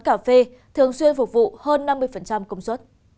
cà phê thường xuyên phục vụ hơn năm mươi công suất